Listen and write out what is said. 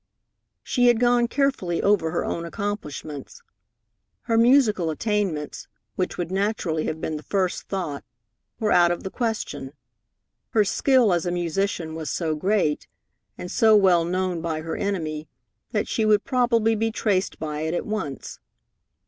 She had gone carefully over her own accomplishments. Her musical attainments, which would naturally have been the first thought, were out of the question. Her skill as a musician was so great, and so well known by her enemy, that she would probably be traced by it at once.